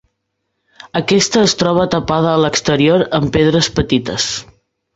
Aquesta es troba tapada a l'exterior amb pedres petites.